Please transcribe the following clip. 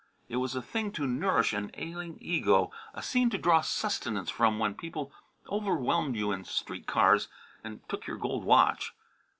It was a thing to nourish an ailing ego, a scene to draw sustenance from when people overwhelmed you in street cars and took your gold watch.